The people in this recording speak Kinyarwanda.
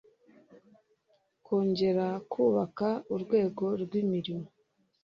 kongera kubaka urwego rw imirimo